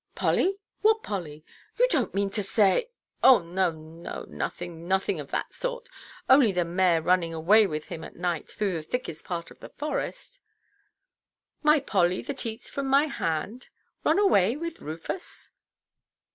"Polly! What Polly? You donʼt mean to say——" "No, no, dear, nothing of that sort! Only the mare running away with him at night through the thickest part of the forest." "My Polly that eats from my hand! Run away with Rufus!"